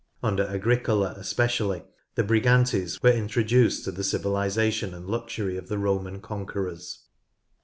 Under Agricola especially the Brigantes were introduced to the civilisation and luxury of the Roman conquerors.